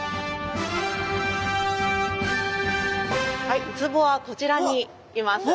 はいウツボはこちらにいます。